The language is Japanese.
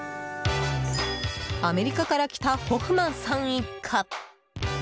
アメリカから来たホフマンさん一家。